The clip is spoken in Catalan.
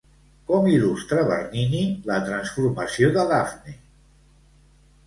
Com il·lustra Bernini la transformació de Dafne?